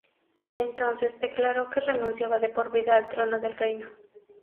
Entonces declaró que renunciaba de por vida al trono del reino.